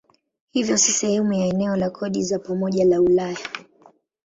Hivyo si sehemu ya eneo la kodi za pamoja la Ulaya.